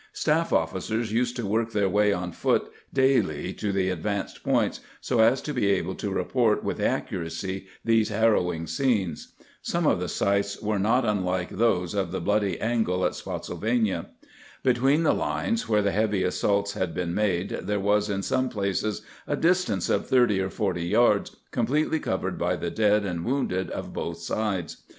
Staff officers used to work their way on foot daily to the advanced points, so as to be able to report with accuracy these harrowing scenes. Some of the sights 184 CAMPAIGNING WITH GBANT were not unlike those of the " bloody angle " at Spott sylvania. Between the lines where the heavy assaults had been made there was in some places a distance of thirty or forty yards completely covered by the dead and wounded of both sides.